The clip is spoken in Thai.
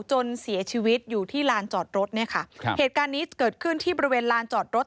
จนเสียชีวิตอยู่ที่ลานจอดรถเนี่ยค่ะครับเหตุการณ์นี้เกิดขึ้นที่บริเวณลานจอดรถ